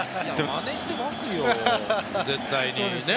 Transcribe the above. マネしてますよ、絶対に。ねぇ！